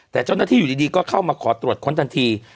แต่เจ้าหน้าที่อยู่ดีก็เข้ามาขอตรวจค้นทันที